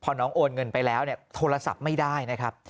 พอน้องโอนเงินไปแล้วเนี่ยโทรศัพท์ไม่ได้นะครับ